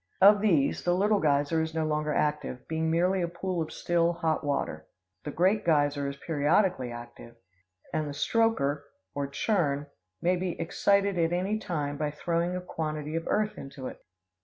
Of these the Little Geyser is no longer active, being merely a pool of still, hot water. The Great Geyser is periodically active, and the Strokr, or Churn, may be excited at any time by throwing a quantity of earth into it.